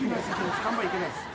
看板いけないっす。